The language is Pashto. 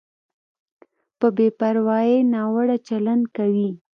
په بې پروایۍ ناوړه چلند کوي.